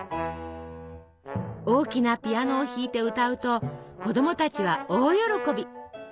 大きなピアノを弾いて歌うと子どもたちは大喜び！